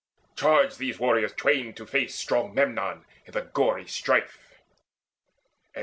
Charged these warriors twain to face Strong Memnon in the gory strife.